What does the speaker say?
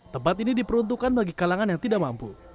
tempat ini diperuntukkan bagi kalangan yang tidak mampu